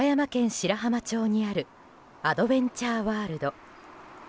白浜町にあるアドベンチャーワールド。